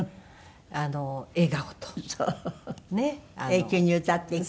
永久に歌っていく。